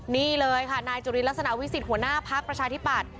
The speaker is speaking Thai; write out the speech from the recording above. นี่เลยค่ะนายจุลินลักษณะวิสิทธิหัวหน้าพักประชาธิปัตย